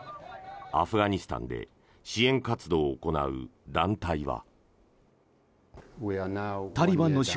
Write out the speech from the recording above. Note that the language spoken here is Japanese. アフガニスタンで支援活動を行う団体は。